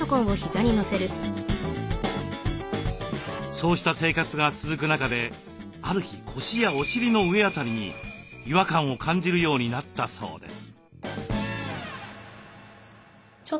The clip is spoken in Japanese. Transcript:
そうした生活が続く中である日腰やお尻の上辺りに違和感を感じるようになったそうです。